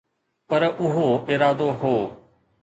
پر اهو ارادو هو.